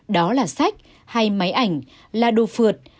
đó là sách hay máy ảnh là đồ phượt